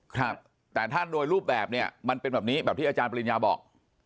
ครับแต่ถ้าโดยรูปแบบเนี่ยมันเป็นแบบนี้แบบที่อาจารย์ปริญญาบอก